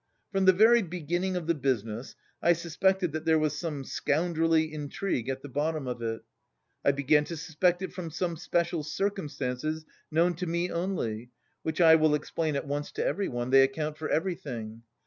"From the very beginning of the business, I suspected that there was some scoundrelly intrigue at the bottom of it. I began to suspect it from some special circumstances known to me only, which I will explain at once to everyone: they account for everything.